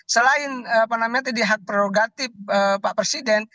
selain tadi hak prerogatif pak presiden